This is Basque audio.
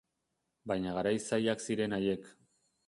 Baina garai zailak ziren haiek.